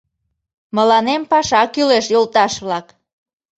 Мыланем паша кӱлеш, йолташ-влак!